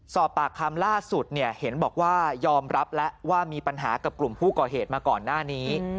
สอบปากคำล่าสุดเนี่ยเห็นบอกว่ายอมรับแล้วว่ามีปัญหากับกลุ่มผู้ก่อเหตุมาก่อนหน้านี้